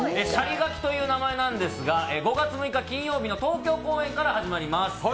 「洒落柿」という名前なんですが、５月６日の東京公演から始まります。